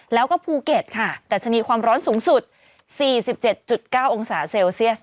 แล้วก็ภูเก็ตค่ะดัชนีความร้อนสูงสุด๔๗๙องศาเซลเซียส